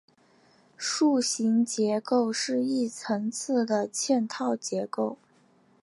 树形结构是一层次的嵌套结构。